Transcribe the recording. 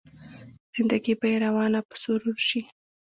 زنده ګي به يې روانه په سرور شي